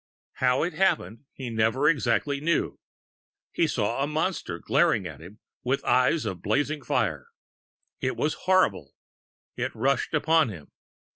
How it happened, he never exactly knew. He saw a Monster glaring at him with eyes of blazing fire. It was horrible! It rushed upon him.